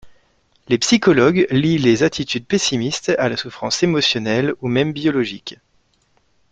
Les psychologues lient les attitudes pessimistes à la souffrance émotionnelle ou même biologique.